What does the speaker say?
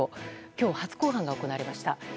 今日、初公判が行われました。